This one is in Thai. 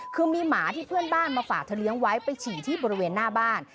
คือมีหมาที่เพื่อนบ้านมาฝากเธอเลี้ยงไว้ไปฉี่ที่บริเวณหน้าบ้าน